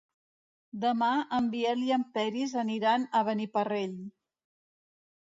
Demà en Biel i en Peris aniran a Beniparrell.